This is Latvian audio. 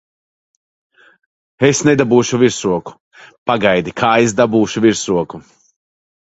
Es nedabūšu virsroku! Pagaidi, kā es dabūšu virsroku!